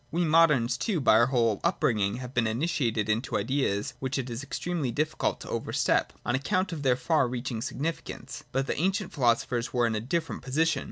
We moderns, too, by our whole up bringing, have been initiated into ideas which it is extremely difficult to overstep, on account of their far reaching significance. But the ancient philosophers were in a different position.